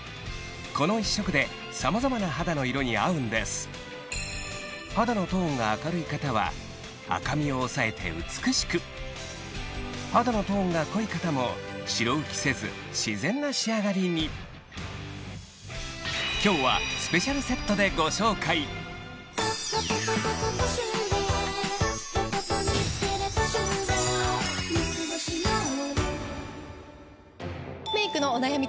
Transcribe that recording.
この１色でさまざまな肌の色に合うんです肌のトーンが明るい方は赤みを抑えて美しく肌のトーンが濃い方も白浮きせず自然な仕上がりに今日はでご紹介ですよね？